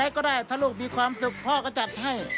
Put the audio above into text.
ก็ได้ถ้าลูกมีความสุขพ่อก็จัดให้